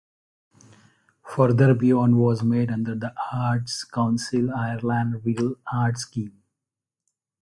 Further Beyond was made under the Arts Council Ireland Reel Art scheme.